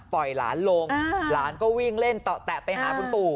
หลานลงหลานก็วิ่งเล่นต่อแตะไปหาคุณปู่